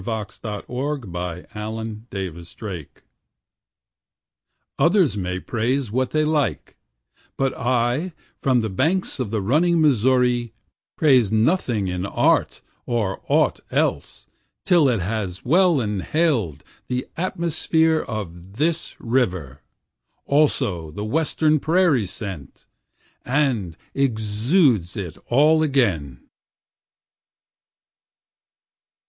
Others May Praise What They Like Others may praise what they like; But I, from the banks of the running Missouri, praise nothing in art or aught else, Till it has well inhaled the atmosphere of this river, also the western prairie scent, And exudes it all again.